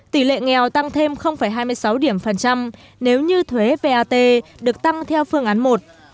tỷ lệ nghèo tăng thêm hai mươi sáu điểm phần trăm nếu như thuế vat được tăng theo phương án một